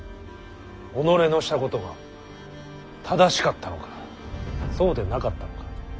己のしたことが正しかったのかそうでなかったのか。